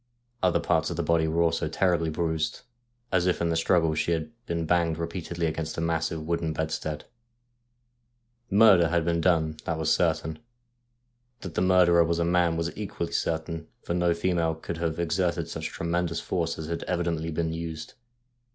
Other parts of the body were also terribly bruised, as if in the struggle she had been banged repeatedly against the massive wooden bedstead. Murder had been done, that was certain. That the mur derer was a man was equally certain, for no female could have exerted such tremendous force as had evidently been used.